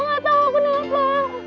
nggak tau kenapa